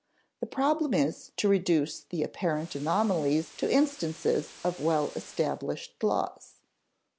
The problem is to reduce the apparent anomalies to instances of well established laws.